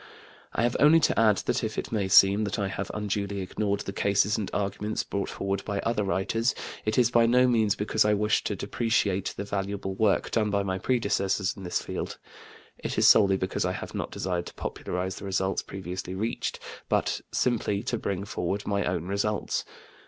I have only to add that if it may seem that I have unduly ignored the cases and arguments brought forward by other writers, it is by no means because I wish to depreciate the valuable work done by my predecessors in this field. It is solely because I have not desired to popularize the results previously reached, but simply to bring forward my own results.